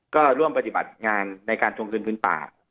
ก็ร่วมปฏิบัติงานในการทวงคืนพื้นป่า